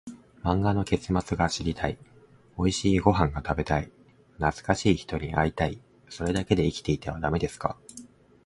漫画の結末が知りたい、おいしいご飯が食べたい、懐かしい人に会いたい、それだけで生きていてはダメですか？